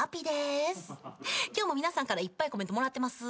今日も皆さんからいっぱいコメントもらってます。